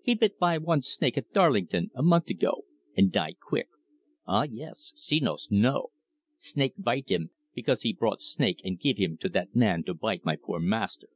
He bit by one snake at Darlington, a month ago, and die quick. Ah, yes! Senos know! Snake bite him, because he brought snake and give him to that man to bite my poor master."